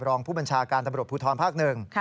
รองพฤบัญชาการตำรวจผู้ท้อนภาคหนึ่ง